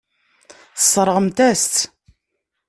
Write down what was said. Tesseṛɣemt-as-tt.